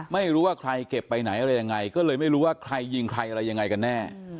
ไม่รู้ว่าใครเก็บไปไหนอะไรยังไงก็เลยไม่รู้ว่าใครยิงใครอะไรยังไงกันแน่